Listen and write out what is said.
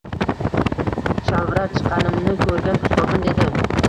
Shalvirab chiqqanimni koʻrgan ustozim dedi.